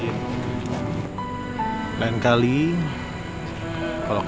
kita hadir untuk